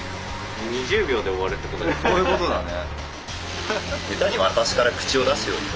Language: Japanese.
そういうことだね。